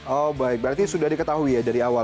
oh baik berarti sudah diketahui ya dari awal